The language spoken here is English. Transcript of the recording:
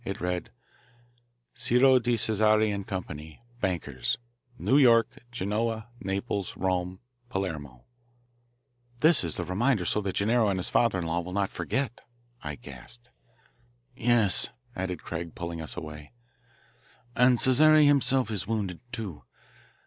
It read: CIRO DI CESARE & Co. BANKERS NEW YORK, GENOA, NAPLES, ROME, PALERMO "This is the reminder so that Gennaro and his father in law will not forget," I gasped. "Yes," added Craig, pulling us away, "and Cesare himself is wounded, too.